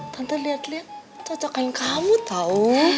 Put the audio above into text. tante liat liat cocok kayak kamu tau